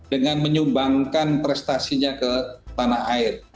dengan menyumbangkan prestasinya ke tanah air